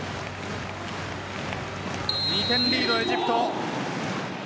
２点リード、エジプト。